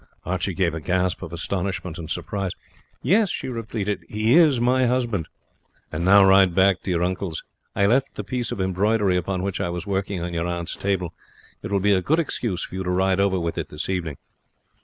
Archie gave a gasp of astonishment and surprise. "Yes," she repeated, "he is my husband. And now ride back to your uncle's. I left the piece of embroidery upon which I was working on your aunt's table. It will be a good excuse for you to ride over with it this evening."